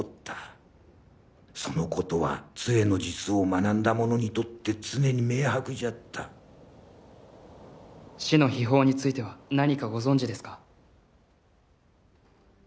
そのことは杖の術を学んだ者にとって常に明白じゃった死の秘宝については何かご存じですか？